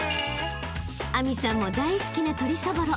［明未さんも大好きな鶏そぼろ］